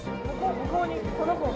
向こうにこの子が。